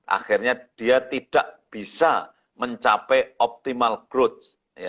akhirnya dia tidak bisa mencapai optimal growth